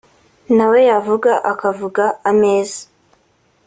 nawe yavuga akavuga ameza